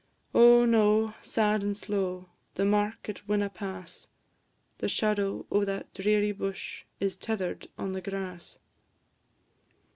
Oh, no! sad and slow, The mark it winna pass; The shadow o' that dreary bush Is tether'd on the grass.